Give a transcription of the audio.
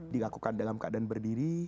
dilakukan dalam keadaan berdiri